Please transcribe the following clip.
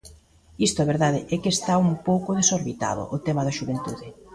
Isto a verdade é que está un pouco desorbitado, o tema da xuventude.